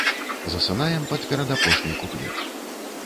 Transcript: Засынаем пад перадапошні куплет.